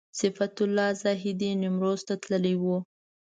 صفت الله زاهدي نیمروز ته تللی و.